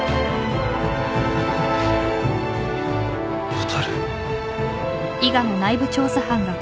蛍？